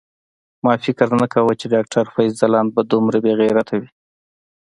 ما فکر نه کاوه چی ډاکټر فیض ځلاند به دومره بیغیرته وی